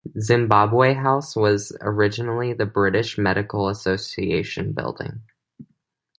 Zimbabwe House was originally the British Medical Association Building.